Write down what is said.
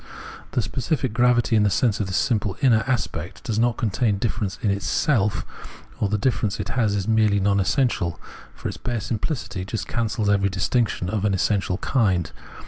The specific gravity in the sense of this simple inner aspect does not contain difference in itself, or the difference it has is merely non essential ; for its bare simphcity just cancels every distinction of an essential kind.